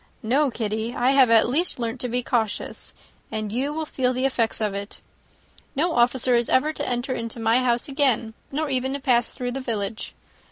No, Kitty, I have at least learnt to be cautious, and you will feel the effects of it. No officer is ever to enter my house again, nor even to pass through the village.